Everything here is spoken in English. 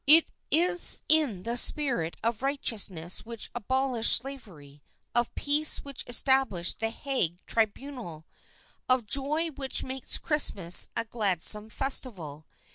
It is in the spirit of righteousness which abolished slavery, of peace which established the Hague Tribunal, of joy which makes Christmas a glad some festival.